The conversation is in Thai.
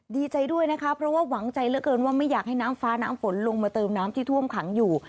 ดีใจด้วยนะคะเพราะว่าหวังใจเหลือเกินว่าไม่อยากให้น้ำฟ้าน้ำฝนลงมาเติมน้ำที่ท่วมขังอยู่